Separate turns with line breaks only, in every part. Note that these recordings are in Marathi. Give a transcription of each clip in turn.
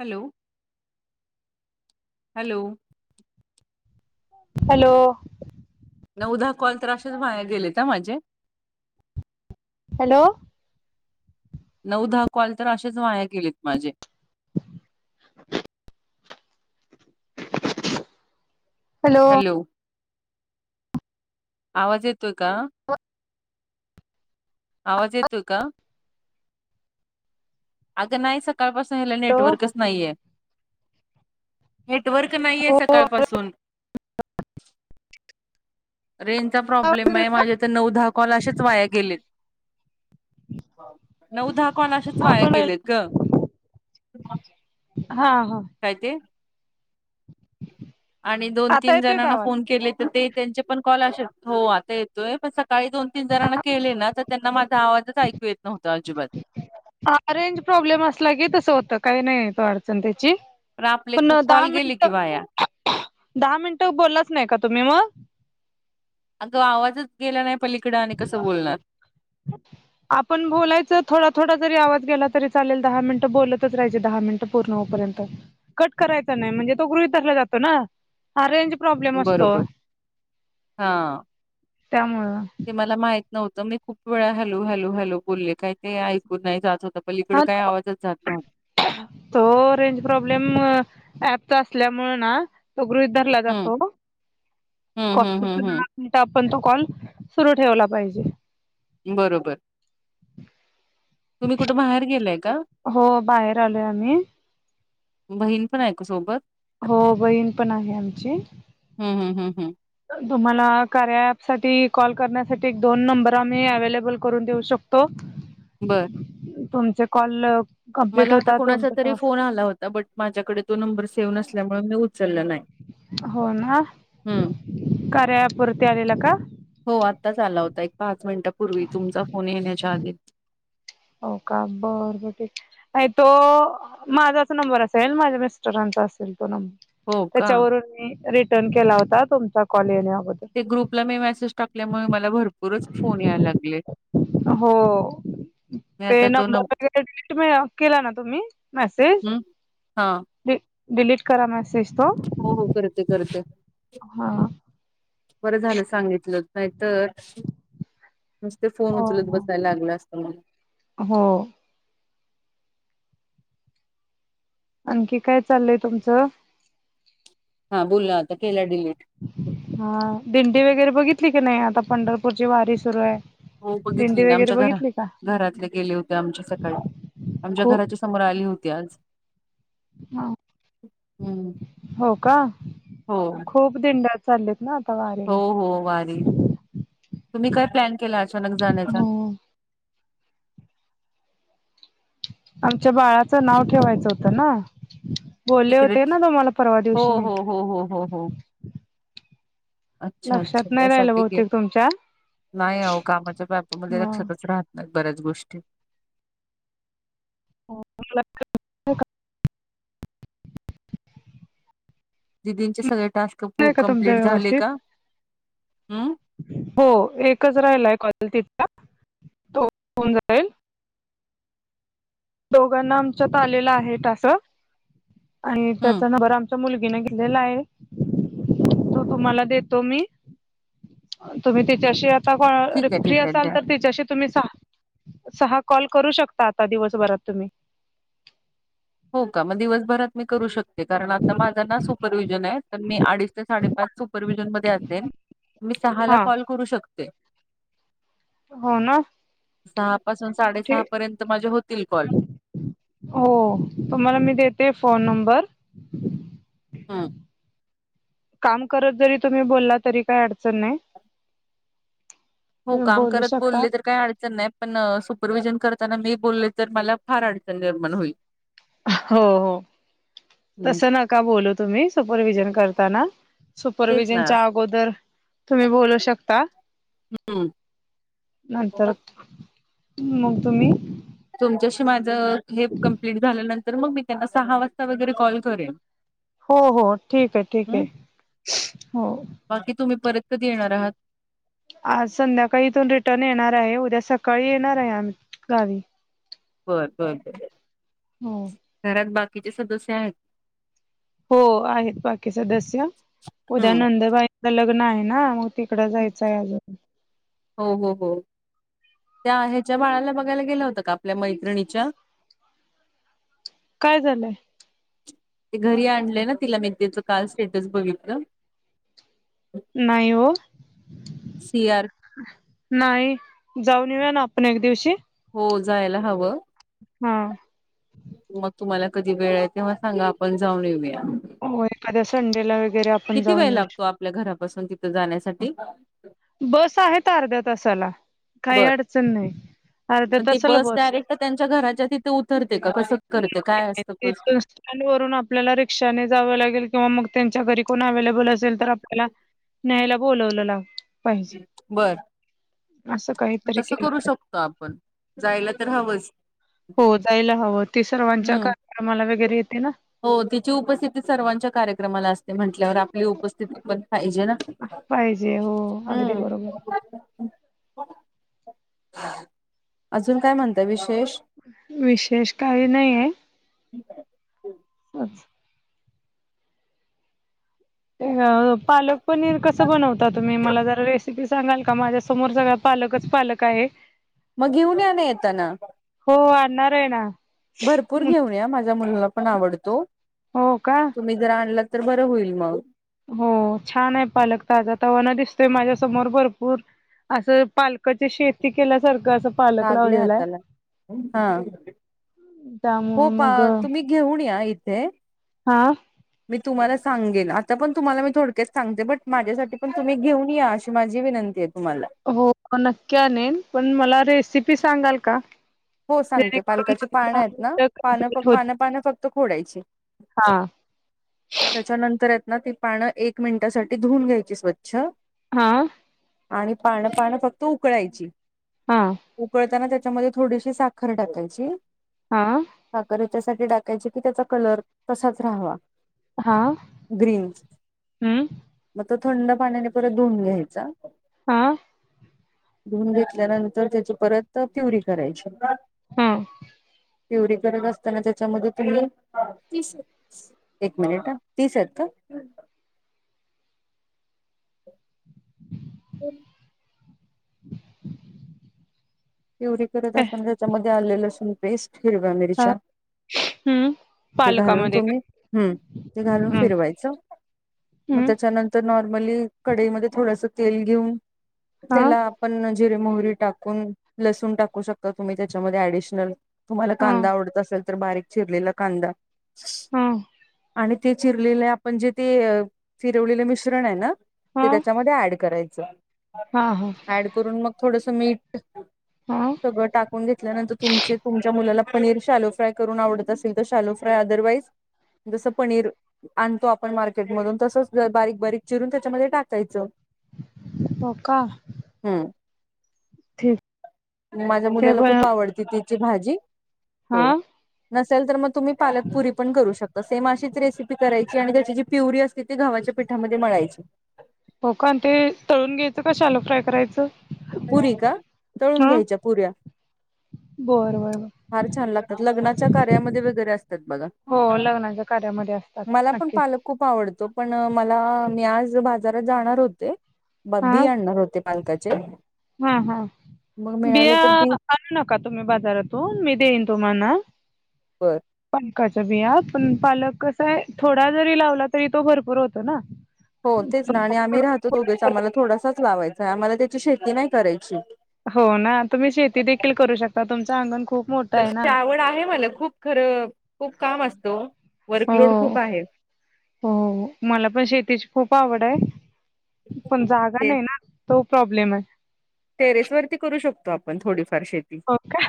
हॅलो. हॅलो.
हॅलो.
नउ दहा कॉल तर अशेच वाया गेलेत हां माझे.
हॅलो.
नऊ दहा कॉल तर अशेच वाया गेलेत माझे.
हॅलो.
हॅलो. आवाज येतोय का? आवाज येतोय का? अगं नाही सकाळ पासून ह्याला
हॅलो
नेटवर्कच नाहीये. नेटवर्क नाहीये
हो
सकाळपासून. रेंजचा प्रॉब्लेम आहे.
आपण
माझे तर नऊ दहा कॉल अशेच वाया गेलेत. नउ दहा कॉल असेच वाया
हा
गेलेत ग.
हा.
काय ते? आणि दोन
आता
तीन
येतोय का
जणांना
आवाज
फोन केले तर ते- त्यांचे पण कॉल असेच. हो आता येतोय. पण सकाळी दोन तीन जणांना केले ना तर - त्यांना माझा आवाजाच ऐकू येत नव्हता अजिबात.
हा रेंज प्रॉब्लेम असला की तसं होतं. काही नाही येत हो अडचण त्याची.
प आपले
पण
खूप
दहा
कॉल गेले
मिनिट
कि वाया.
दहा मिनिटं बोलत नाही का तुम्ही मग?
अगं, आवाजच गेला नाही पलीकड आणि कसं बोलणार?
आपण बोलायचं. थोडा थोडा जरी आवाज गेला तरी चालेल. दहा मिनटं बोलतच राहायच. दहा मिनिट- पूर्ण होईपर्यंत. कट करायचा नाही म्हणजे तो गृहित धरला जातो ना? हा रेंज प्रॉब्लेम असतो.
हं.
त्यामुळं
ते मला माहित- नव्हतं. मी खूप वेळा हॅलो हॅलो हॅलो बोलले काही ते ऐकून नाही जात होत.
ह. हो. रेंज प्रॉब्लेम ऍपच्या असल्यामुळे ना- तो गृहित धरला
हं.
जातो.
हं, हं, हं,
[unintelligible] आपण तो कॉल सुरू ठेवला पाहिजे.
बरोबर. तुम्ही कुठे बाहेर गेलाय का?
हो बाहेर आलोय आम्ही
बहीण पण आहे का सोबत?
हो. बहीण पण आहे आमची.
हम् हम हम् हम.
तुम्हाला कार्या ॲप साठी, कॉल करण्यासाठी एक दोन नंबर आम्ही अवे्लेबल करून देऊ शकतो.
बरं.
तुमचे कॉल -
मला आता कोणाचा तरी फोन आला होता. बट माझ्याकडे तो नंबर सेव्ह नसल्यामुळे मी- उचलला नाही.
हो ना?
हं.
कार्या ऍप वरती आलेला का?
हो आत्ताच आला होता. एक पाच मिनिटापूर्वी. तुमचा फोन येण्याच्या आधी.
हो का? बर [unintelligible] नाही तो माझाच नंबर असेल. माझ्या मिस्टरांचा असेल तो नंबर.
हो का?
त्याच्यावरून मी रिटर्न केला होता. तुमचा कॉल येण्या अगो -
ते ग्रुपला मी मेसेज टाकल्यामुळे, मला भरपूरच फोन यायला लागले.
हो
मी
ते
आता तो न
नंबर वगैरे [unintelligible] केला ना तुम्ही मेसेज?
हं हा.
डिलीट करा मेसेज तो.
हो हो. करते करते.
हा.
बरं झालं सांगितलंत. नाहीतर - ते फोन
हो
उचलत बसायला लागलं असतं मला
हो आणखी काय चाललंय तुमचं
हा बोलला आता केला डिलीट
हा दिंडी वगैरे बघितली की नाही आता पंढरपूरची वारी सुरू आहे
हो बघितली
दिंडी
ना
वगैरे
आमच्या घरा
बघितली का
घरातले गेले होते आमच्या सकाळी आमच्या
खूप
घराच्या समोर आली होती आज
ह
हम्म
हो का
हो
खूप दिंड्या चाललेत ना आता
हो
वारीला
हो वारी तुम्ही काय प्लॅन केला अचानक जाण्याचा
हो आमच्या बाळाचं नाव ठेवायचं होतं ना बोलले
तिकडे
होते ना तुम्हाला परवा
हो
दिवशी
हो
मिळते
हो हो हो हो अच्छा अच्छा
लक्षात नाही राहिलं
त्यासाठी गे
बहुतेक तुमच्या
नाही अ कामाच्या बापामध्ये
हा
लक्षातच राहत नाही बऱ्याच गोष्टी
हो
दिदींचे सगळे टास्क
नाही का तुमच्या
कम्प्लीट झाले
व्यवस्थित
का ह्
हो एकच राहिलाय कॉ तिथ तोन जाईल दोघांना आमच्यात आलेला आहे टास आणि
हम्म
त्याचा नबर आम मुलगीने घेतलेला आहे तो तुम्हाला देतो मी तुम्ही तिच्याशी आ
ठीक आहे
फ्री
ठीक आहे
असाल
द्या
तर त्यािच्याशी तुम्ही सहा सहा कॉल करू शकता आता दिवसभरात तुम्ही
हो का मग दिवसभरात मी करू शकते कारण आता माझं ना सुपरवि्हजन आहे तर मी अडीच ते साडेपाच सुपरव्हिजन मध्ये असेन मी सहा ला
हा
कॉल करू शकते
हो ना
सहा पासून साडेसहा
ठीक
पर्यंत माझे होतील कॉल
हो तुम्हाला मी देते फोन नंबर
हा
काम करत जरी तुम्ही बोलला तरी काही अडचण नाही
हो
तुम्ही
काम
बोलू
करत
शकता
बोलले तर काही अडचण नाही पण सुपरवि्हजन करताना मी बोलले तर मला फार अडचण निर्माण होईल
हो हो
हम्म
तस नका बोलू तुम्ही सुपरवि्हजन करताना
तेच ना
सुपरवि्हजनच्या अगोदर तुम्ही बोलू शकता
हम्म
नंतर मग तुम्ही
तुमच्याशी माझं हे कं्प्लीट झाल्यानंतर मग मी त्यांना सहा वाजता वगैरे कॉल करेन
हो हो ठीक आहे ठीक
हम्म
आहे हो
बाकी तुम्ही परत येणार आहात
आज संध्याकाळी इथून रिटर्न येणार आहे उद्या सकाळी येणार आहे आम गावी
बर बर बर
हो
घरात बाकीचे सदस्य आहेत
हो आहेत बाकी सदस्य उद्या
हम्म
नंदबाई लग्न आहे ना तिकडं जायचं आहे अजून
हो हो हो त्या ह्याच्या बाळाला बघायला गेलं होतं का आपल्या मैत्रिणीच्या
काय झालंय
ते घरी आणलंय ना तिला मी त्याच काल स्टेटस बघितलं
नाहीयो
सियार
नाही जाऊन येऊया ना आपण एक दिवशी
हो जायला हवं.
हा.
मग तुम्हाला कधी वेळ आहे तेव्हा सांगा आपण जाऊन येऊया.
हो एखाद्या संडेला वगैरे आपण
किती
जाऊन
वेळ
येऊ
लागतो
शकतो.
आपल्या घरापासून तिथं जाण्यासाठी.
बस आहे अर्ध्या तासाला काही
बर
अडचण नाही अर्ध्या
पण ती
तासाला बस आहे.
डायरेक्ट त्यांच्या घराच्या तिथे उतरते का कस.
ते वरून आपल्याला रिक्षाने जावं लागेल किंवा मग त्यांच्या घरी कोण अव्हेलेबल असेल तर आपल्याला.. न्यायला बोोलवलं ला. पाहिजे
बर
असं काहीतरी
तस
केलं
करू
पाहिजे.
शकतो. आपण जायला तर हवंच.
हो जायला हवं ते
हम्म
सर्वांच्यामाला वगैरे येते ना..
हो तिची उपस्थिती सर्वांच्या कार्यक्रमाला असते म्हंटल्यावर आपली उपस्थिती पण पाहिजे ना..
पाहिजे हो. अगदी
हम्म
बरोबर
अजून काय म्हणत विशेष
विशेष काही नाही आहे.
ठीक आहे
ब [inaudible] पालक पनीर कसं बनवता तुम्ही मला जरा रेसिपी सांगाल का माझ्या समोर सगळ.. पालकच पालक आहे.
मग घेऊन या ना येताना..
हो आणणार आहे ना.
भरपूर घेऊनया माझ्या मुलाला पण आवडतो
हो का
तुम्ही.. जर आणलं तर बर होईल मग.
हो छान आहे पालक ताजा तवाना दिसतोय माझ्या समोर भरपूर.. असं पालकाची शेती केल्यासारखं असं. पालक
लागल्या
लावलेला
हाताला हा.
आहे
हो
त्यामुळे
पा
मग
तुम्ही घेऊन या इथे.
हा
मी तुम्हाला सांगेल आता पण तुम्हाला मी थोडक्याच सांगते बट माझ्यासाठी पण तुम्ही घेऊन या अशी माझी विनंती. तुम्हाला.
हो नक्की आणल पण मला रेसिपी सांगाल का.
हो सांगते
जेणेकरून
पालकाची पानं
दहा
आहेत ना
मिनिटं
पान
कंप्लीट होत
पानं पानं फक्त खोडायची.
हा
त्याच्यानंतर य ना ती पानं एक मिनिटासाठी धुवून घ्यायची स्वच्छ.
हा
आणि पानं पानं फक्त उकळायची
हा
उकळताना त्याच्यामध्ये. थोडीशी साखर टाकायची.
हा
हकर याच्यासाठी टाकायचे कि त्याचा कलर तसाच राहावा.
हा
ग्रीन.
हम्म
मग तो थंड पाण्याने परत धुऊून घ्यायचा.
हा
धुवन घेतल्यानंतर त्याची परत प्युरी करायची.
हम्म
प्यु करत असताना त्याच्यामध्ये तुम्ही.. एक मिनिट तीस आहेत का. होम [inaudible]
[inaudible]
पिवरी करत असताना त्याच्यामध्ये आले लसून पेस्ट हिरव्या
हा
मिरच्या
हम्म
ते घालून
पालकामध्ये
तुम्ही.. हम्म ते घालून
हम्म
फिरवायचं. मग
हम्म
त्याच्यानंतर नॉर्मली कढईमध्ये थोडस तेल घेऊन.
हा
त्याला आपण जिरे मोहरी टाकून. लसून टाकू शकता तुम्ही त्याच्यामध्ये ऍडिशनल तुम्हाला
हा
कांदा आवडत असेल. तर बारीक चिरलेला कांदा.
हा.
आणि ते चिरलेले आपण जे ते चिरवलेलं मिश्रण आहे ना. ते त्याच्यामध्ये ऍड करायचं.
हा हा.
ऍड करून मग थोडसं मीट.
हा.
सगळं टाकून घेतल्यानंतर तुम तुमच्या मुलाला पनीर शॅलो फ्राय करून आवडत असेल तर शॅलो फ्राय अदरवाईज. जसं पनीर. आणतो आपण मार्केटमधून तसच बारीक बारीक चिरून त्याच्यामध्ये टाकायचं.
हो का?
हम्म.
ठीक
माझ्या
ते
मुलाला
ब
खूप आवडती तिची भाजी.
हा.
नसेल तर मग तुम्ही पालकपुरी पण करू शकता. सेम अशीच रेसिपी करायची आणि त्याची जी प्युरी असते ती घावाच्या पिठामध्ये मळायची.
हो का ते तळून घ्यायचं का शालक फ्राय करायचं.
पुरी का तळून
हा.
घ्यायच्या पुऱ्या.
बर बर बर
फार छान लागतात लग्नाच्या कार्यामध्ये वगैरे असतात बघा.
मध्ये असतात.
मला पण
नक्कीच
पालक खूप आवडतो पण मला मी आज बाजारात जाणार होते. ब
हा
बी आणणार होते पालकाचे.
हा हा
मग मिळाले
बिया
तर बी
आणू नका तुम्ही बाजारातून मी देईन तुम्हाना.
बरं.
पणकाच्या बिया पण पालक कसा आहे थोडा जरी लावला तरी तो भरपूर होतो ना.
[inaudible] हो तेच ना आणि आम्ही राहतो दोघेच आम्हाला थोडासाच लावायचा आहे आम्हाला त्याची शेती नाही करायची.
हो ना तुम्ही शेती देखील करू शकता तुमचं अंगण खूप. मोठं आहे
त
ना.
आवड आहे मला खूप खरं खूप काम असतो
हो
वर्कलोड खूप आहे.
हो मला पण शेतीची खूप आवड आहे. पण जागा
ते
नाही ना तो प्रॉब्लेम आहे.
टेरेस वरती करू शकतो आपण थोडीफार शेती.
हो का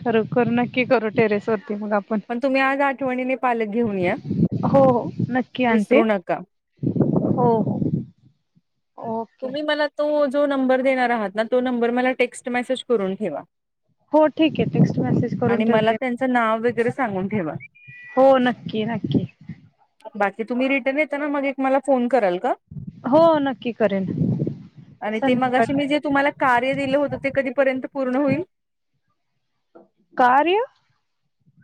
खर करू नक्की करू टेरेस वरती मग आप.
पण तुम्ही आज आठवणीने पालक घेऊन या
हो हो नक्की आणते.
विसरू नका.
हो हो. ओके.
तुम्ही मला तो जो नंबर देणार आहात ना तो नंबर मला टेक्स्ट मेसेज करून ठेवा.
हो ठीक आहे टेक्स्ट मेसेज
[inaudible]
करून
आणि मला
ठेवते.
त्यांचं नाव वगैरे सांगून ठेवा.
हो नक्की नक्की.
बाकी तुम्ही रिटर्न येताना मग एक मला फोन कराल का?
हो नक्की करेन.
आणि ते मग असे
संध्याकाळी.
मी जे तुम्हाला कार्य दिलं होतं ते कधीपर्यंत पूर्ण होईल?
कार्य.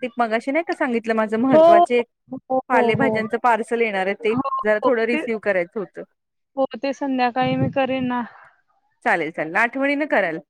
ते मगाशी नाही का सांगितलं माझं
हो
महत्त्वाचे एक.
हो हो हो हो.
पालेभाज्यांचं पार्सल येणार आहे ते
हो
जरा
हो.
थोडं
ते
रिसीव्ह करायचं होतं.
हो ते सं. संध्याकाळी मी करेन ना.
चालेल चाल आठवणीनं कराल.